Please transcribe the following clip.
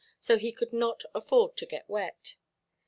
So he could not afford to get wet.